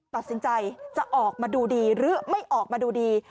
ตัดสินใจจะออกมาดูดีหรือไม่ออกมาดูดี